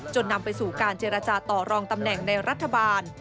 นำไปสู่การเจรจาต่อรองตำแหน่งในรัฐบาล